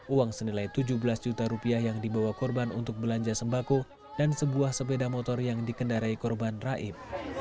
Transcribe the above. uang senilai tujuh belas juta rupiah yang dibawa korban untuk belanja sembako dan sebuah sepeda motor yang dikendarai korban raib